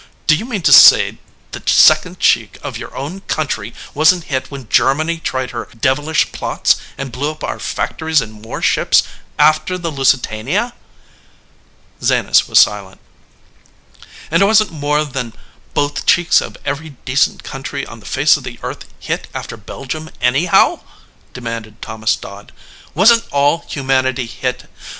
"Do you mean to say the second cheek of your own country wasn t hit when Germany tried her devilish plots and blew up our factories and more ships, after the Lusitania?" Zenas was silent. "And wasn t more than both cheeks of every decent country on the face of the earth hit after Belgium, anyhow?" demanded Thomas Dodd. "Wasn t all humanity hit?